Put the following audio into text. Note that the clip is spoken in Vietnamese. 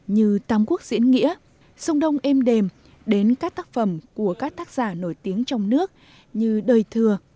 như tám quốc diễn nghĩa sông đông êm đềm đến các tác phẩm của các tác giả nổi tiếng trong nước như đời thừa